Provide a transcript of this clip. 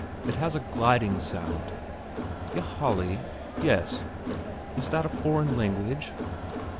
It has a gliding sound...." "Ylajali?" "Yes." "Is that a foreign language?"